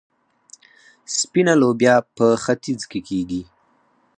سپینه لوبیا په ختیځ کې کیږي.